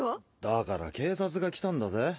だから警察が来たんだぜ。